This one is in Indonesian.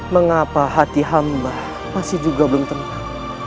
mengapa hati hamba masih juga belum tenang